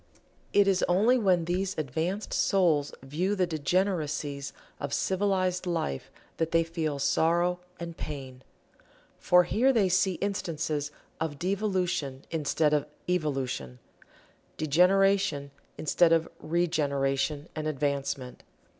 It is only when these advanced souls view the degeneracies of "civilized" life that they feel sorrow and pain. For here they see instances of devolution instead of evolution degeneration instead of regeneration and advancement.